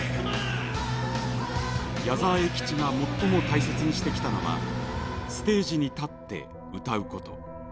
矢沢永吉が最も大切にしてきたのはステージに立って歌うこと。